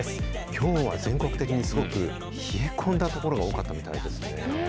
きょうは全国的にすごく冷え込んだ所が、多かったみたいですね。